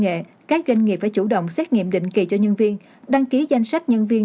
nghệ các doanh nghiệp phải chủ động xét nghiệm định kỳ cho nhân viên đăng ký danh sách nhân viên